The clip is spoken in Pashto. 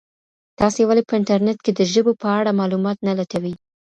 تاسي ولي په انټرنیټ کي د ژبو په اړه معلومات نه لټوئ؟